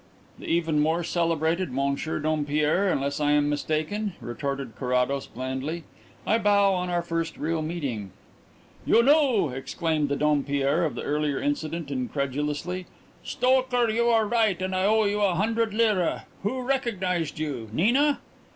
"The even more celebrated Monsieur Dompierre, unless I am mistaken?" retorted Carrados blandly. "I bow on our first real meeting." "You knew!" exclaimed the Dompierre of the earlier incident incredulously. "Stoker, you were right and I owe you a hundred lire. Who recognized you, Nina?"